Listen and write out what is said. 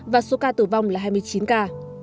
và số ca tử vong là hai mươi chín ca